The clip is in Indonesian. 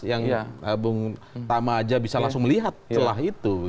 yang pertama saja bisa langsung melihat celah itu